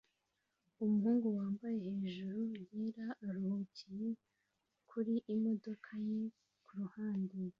Umuhungu wambaye hejuru yera aruhukiye kuri imodoka ye kuruhande